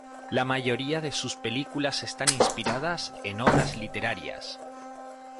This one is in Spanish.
La mayoría de sus películas están inspiradas en obras literarias.